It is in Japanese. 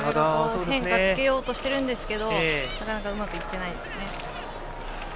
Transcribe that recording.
変化をつけようとしているんですがなかなかうまくいっていないです。